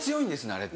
あれって。